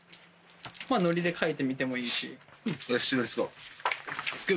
まあノリで変えてみてもいいし。